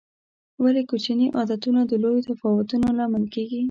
ولې کوچیني عادتونه د لویو تفاوتونو لامل کېږي؟